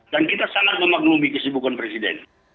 dan kita sangat memaklumi kesibukan presiden